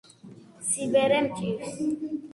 სიბერე მჭირს